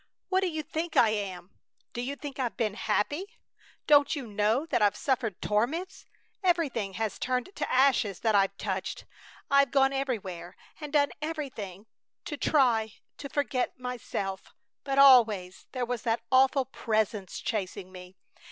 What do you think I am? Do you think I've been happy? Don't you know that I've suffered torments? Everything has turned to ashes that I've touched! I've gone everywhere and done everything to try to forget myself, but always there was that awful Presence chasing me!